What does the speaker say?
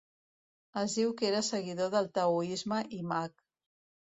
Es diu que era seguidor del taoisme i mag.